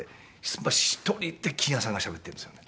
１人で欣也さんがしゃべってるんですよね。